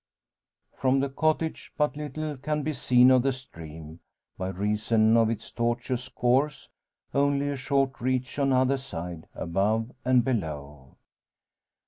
From the cottage but little can be seen of the stream, by reason of its tortuous course; only a short reach on either side, above and below.